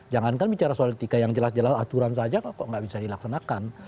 jangankan bicara soal etika yang jelas jelas aturan saja kok nggak bisa dilaksanakan